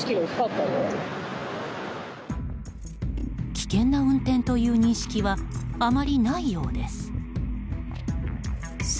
危険な運転という認識はあまりないようです。